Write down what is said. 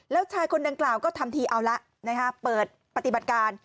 แล้วชายคนดังกล่าวก็ทำทีเอาละเปิดปฏิบัติการ